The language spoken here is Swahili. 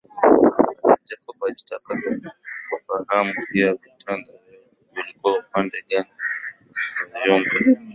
Jacob alitaka kufahamu pia vitanda vyao vilikuwa upande gani wa vyumba